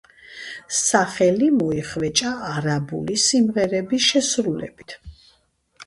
სახელი მოიხვეჭა არაბული სიმღერების შესრულებით.